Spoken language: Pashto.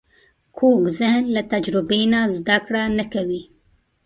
کوږ ذهن له تجربې نه زده کړه نه کوي